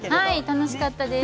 楽しかったです。